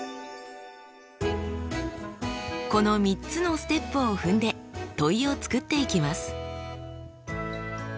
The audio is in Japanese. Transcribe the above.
この３つのステップを踏んで問いを作っていきます。